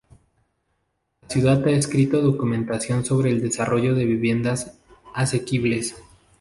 La ciudad ha escrito documentación sobre el desarrollo de viviendas asequibles.